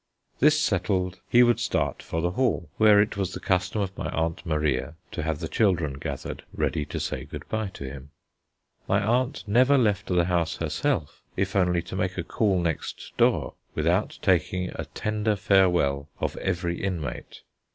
This settled, he would start for the hall, where it was the custom of my Aunt Maria to have the children gathered, ready to say good bye to him. My aunt never left the house herself, if only to make a call next door, without taking a tender farewell of every inmate.